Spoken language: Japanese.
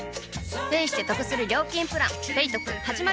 ペイしてトクする料金プラン「ペイトク」始まる！